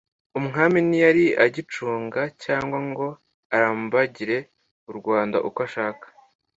umwami ntiyari agicunga cyangwa ngo arambagire u rwanda uko ashaka